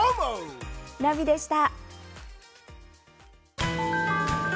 ナビでした。